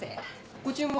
ご注文は？